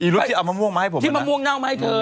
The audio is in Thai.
อีรุ๊ดที่เอามะม่วงมาให้ผมนะ